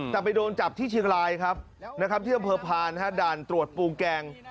แต่ไปโดนจับที่เชียงรายครับที่เผิดผ่านด่านตรวจปูงแกง